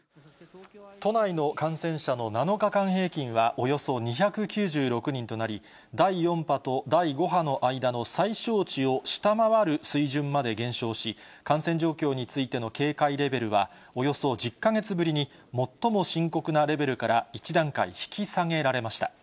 都内の感染者の７日間平均はおよそ２９６人となり、第４波と第５波の間の最小値を下回る水準まで減少し、感染状況についての警戒レベルは、およそ１０か月ぶりに最も深刻なレベルから一段階引き下げられました。